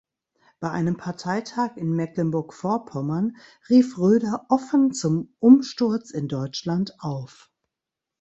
Bei einem Parteitag in Mecklenburg-Vorpommern rief Roeder offen zum „Umsturz in Deutschland“ auf.